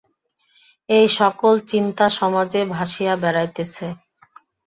এই-সকল চিন্তা সমাজে ভাসিয়া বেড়াইতেছে।